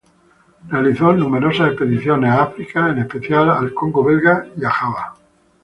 Realizó numerosas expediciones a África, en especial al Congo Belga, y a Java.